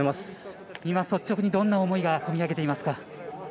今率直にどんな思いが込み上げてますか。